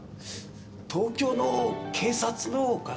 東京の警察のお方？